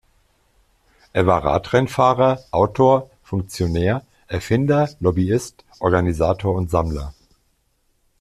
Er war Radrennfahrer, Autor, Funktionär, Erfinder, Lobbyist, Organisator und Sammler.